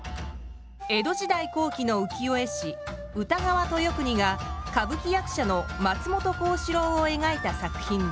江戸時代後期の浮世絵師歌川豊国が歌舞伎役者の松本幸四郎を描いた作品です。